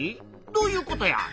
どういうことや？